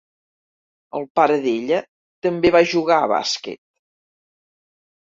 El pare d'ella també va jugar a bàsquet.